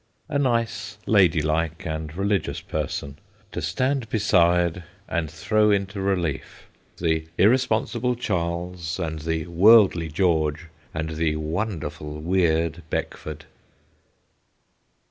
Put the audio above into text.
A nice, lady like, and religious person to stand beside and throw into relief the irresponsible Charles, and the worldly George, and the wonderful, weird Beckford.